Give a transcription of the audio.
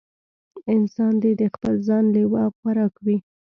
انسان دې د خپل ځان لېوه او خوراک وي.